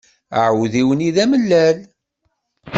Aɛudiw-nni d amellal.